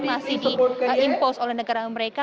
masih diimpos oleh negara mereka